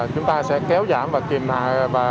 chúng ta sẽ kéo giảm và kiềm hạ